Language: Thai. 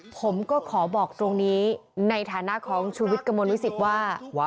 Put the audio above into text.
ผมก็ขอบอกตรงนี้ในฐานะของชูวิทย์กระมวลวิสิตว่า